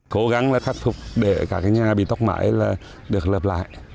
cố gắng là khắc phục để cả cái nhà bị tốc mái là được lập lại